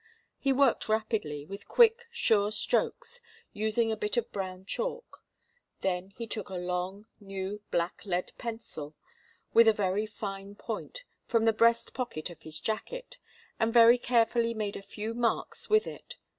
He worked rapidly, with quick, sure strokes, using a bit of brown chalk. Then he took a long, new, black lead pencil, with a very fine point, from the breast pocket of his jacket, and very carefully made a few marks with it.